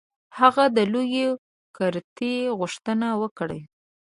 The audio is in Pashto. هغه د لویې کرتۍ غوښتنه وکړه.